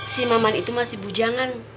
si maman itu masih bujangan